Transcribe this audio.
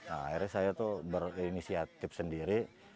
akhirnya saya tuh berinisiatif sendiri